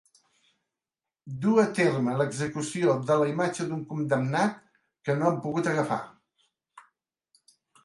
Dur a terme l'execució de la imatge d'un condemnat que no han pogut agafar.